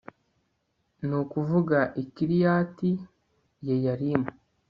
ni ukuvuga i Kiriyati Yeyarimu